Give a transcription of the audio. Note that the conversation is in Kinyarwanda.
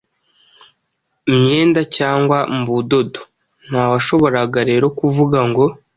myenda cyangwa mu budodo. Nta washoboraga rero kuvuga ngo